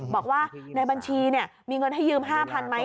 บอกว่าในบัญชีมีเงินให้ยืม๕๐๐๐ไหม